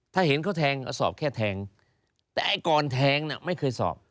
ถ้าเห็นเขาแทงสอบแค่แทงแต่ไอ้ก่อนแทงน่ะไม่เคยสอบ